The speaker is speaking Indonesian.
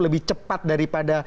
lebih cepat daripada